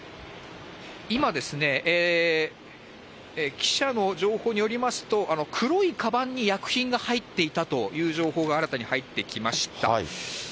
今ですね、記者の情報によりますと、黒いかばんに薬品が入っていたという情報が新たに入ってきました。